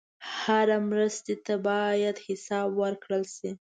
هره مرستې ته باید حساب ورکړل شي.